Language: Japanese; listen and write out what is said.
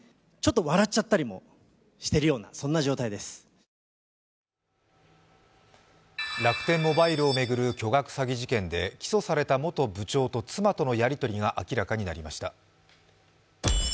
長男の渡辺裕太さんは楽天モバイルを巡る巨額詐欺事件で起訴された元部長と妻とのやりとりが明らかになりました。